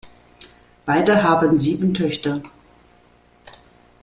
Beide haben sieben Töchter.